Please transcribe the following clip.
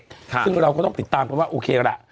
ซึ่งเราก็ต้องติดตามกันว่าโอเคล่ะ